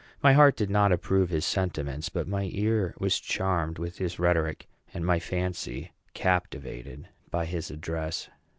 My heart did not approve his sentiments; but my ear was charmed with his rhetoric, and my fancy captivated by his address.